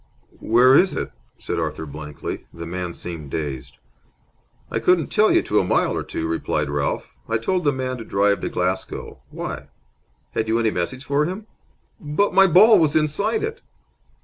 "Where is it?" said Arthur, blankly. The man seemed dazed. "I couldn't tell you to a mile or two," replied Ralph. "I told the man to drive to Glasgow. Why? Had you any message for him?" "But my ball was inside it!"